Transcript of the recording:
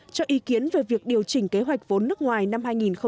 cho ý kiến về việc điều chỉnh kế hoạch vốn nước ngoài năm hai nghìn một mươi sáu